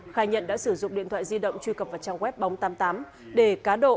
khai nhận đã sử dụng điện thoại di động truy cập vào trang web bóng tám mươi tám để cá độ